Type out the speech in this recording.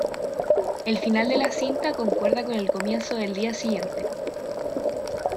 El final de la cinta concuerda con el comienzo del día siguiente.